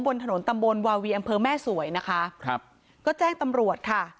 บนถนนตำบลวาวีอำเภอแม่สวยนะคะครับก็แจ้งตำรวจค่ะ